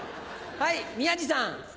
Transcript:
はい宮治さん。